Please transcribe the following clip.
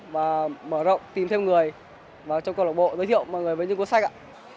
và mở rộng tìm thêm người trong câu lạc bộ giới thiệu mọi người với những cuốn sách